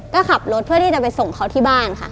ก็ขับรถเพื่อที่จะไปส่งเขาที่บ้านค่ะ